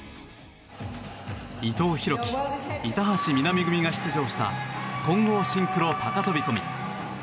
伊藤洸輝、板橋美波組が出場した混合シンクロ高飛込。